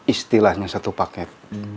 istilahnya satu paket